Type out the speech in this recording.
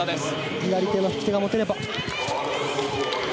左手の引き手が持てれば。